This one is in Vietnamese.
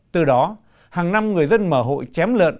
từ đó hàng năm người dân mở hội chém lợn